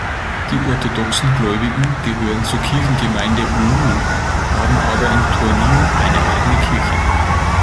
Die orthodoxen Gläubigen gehören zur Kirchengemeinde Oulu, haben aber in Tornio eine eigene Kirche.